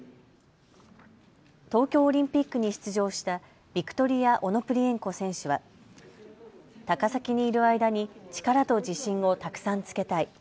東京オリンピックに出場したビクトリア・オノプリエンコ選手は高崎にいる間に力と自信をたくさんつけたい。